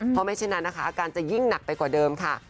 เพราะไม่เช่นนั้นนะคะอาการจะยิ่งหนักไปกว่าเดิมค่ะ